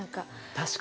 確かに。